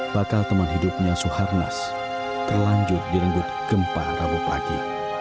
bakal teman hidupnya suharnas terlanjur direnggut gempa rabu pagi